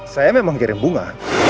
saya memang kirim bunga